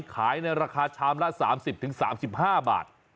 ขายในราคาชามละ๓๐๓๕บาท